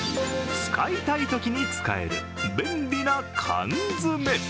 使いたいときに使える便利な缶詰。